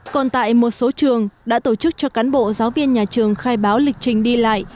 còn tại một số trường đã tổ chức cho cán bộ giáo viên nhà trường khai báo lịch trình đi lại